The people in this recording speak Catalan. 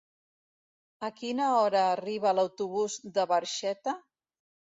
A quina hora arriba l'autobús de Barxeta?